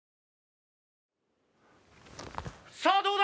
さあどうだ？